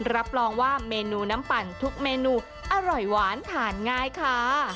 รับรองว่าเมนูน้ำปั่นทุกเมนูอร่อยหวานทานง่ายค่ะ